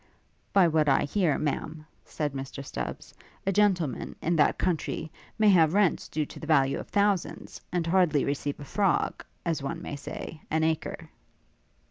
'By what I hear, Ma'am,' said Mr Stubbs, 'a gentleman, in that country, may have rents due to the value of thousands, and hardly receive a frog, as one may say, an acre.'